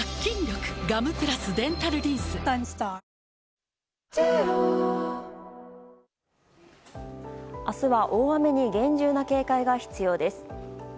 「氷結」明日は大雨に厳重な警戒が必要です。